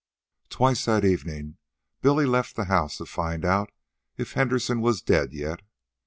Twice that evening Billy left the house to find out if Henderson was dead yet.